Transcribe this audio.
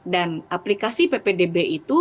dan aplikasi ppdb itu